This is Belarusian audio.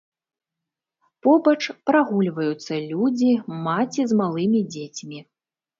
Побач прагульваюцца людзі, маці з малымі дзецьмі.